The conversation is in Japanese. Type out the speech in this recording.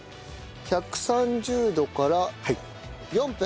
１３０度から４分。